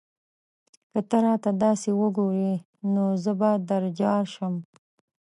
که ته راته داسې وگورې؛ نو زه به درځار شم